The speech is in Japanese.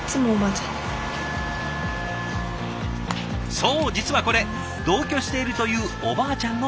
そう実はこれ同居しているというおばあちゃんの手作り。